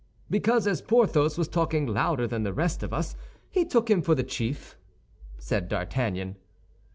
"Because, as Porthos was talking louder than the rest of us, he took him for the chief," said D'Artagnan.